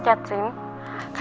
tidak ada yang bawa